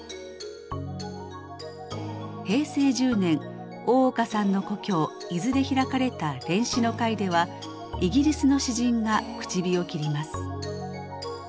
平成１０年大岡さんの故郷伊豆で開かれた連詩の会ではイギリスの詩人が口火を切ります。